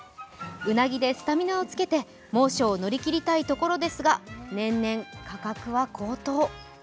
うなぎでスタミナをつけて猛暑を乗り切りたいところですが年々、価格は高騰。